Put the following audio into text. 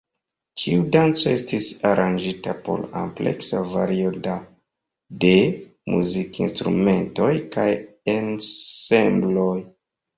Ĉiu danco estis aranĝita por ampleksa vario de muzikinstrumentoj kaj ensembloj.